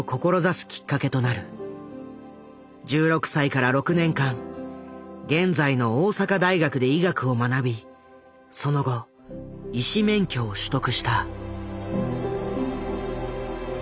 １６歳から６年間現在の大阪大学で医学を学びその後医師免許を取得した。